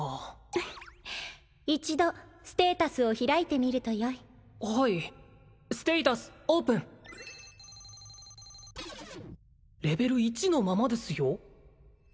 フッ一度ステータスを開いてみるとよいはいステータスオープンレベル１のままですよ